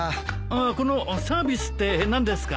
このサービスって何ですか？